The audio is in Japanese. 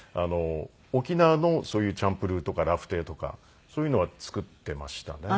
沖縄のそういうチャンプルーとかラフテーとかそういうのは作っていましたね。